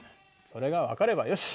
それが分かればよし。